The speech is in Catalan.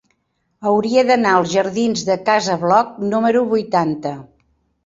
Hauria d'anar als jardins de Casa Bloc número vuitanta.